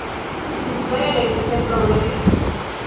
Ĉu vere senprobleme?